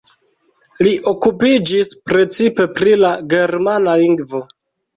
Li okupiĝis precipe pri la germana lingvo.